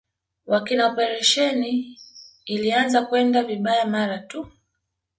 wa kina operesheni ilianza kwenda vibayaa mara tu